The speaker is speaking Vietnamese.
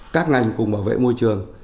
các ngành cùng bảo vệ môi trường